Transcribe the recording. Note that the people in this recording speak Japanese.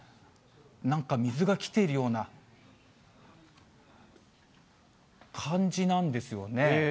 なんか水が来ているような感じなんですよね。